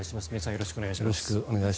よろしくお願いします。